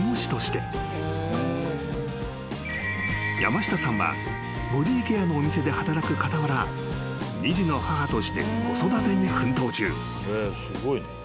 ［山下さんはボディーケアのお店で働く傍ら２児の母として子育てに奮闘中］